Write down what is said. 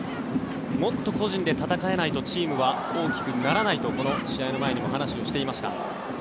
もっと個人で戦えないとチームは大きくならないとこの試合の前にも話をしていました。